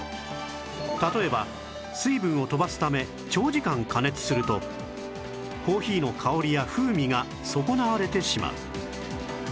例えば水分を飛ばすため長時間加熱するとコーヒーの香りや風味が損なわれてしまう